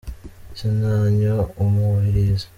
sinanywa umubirizi.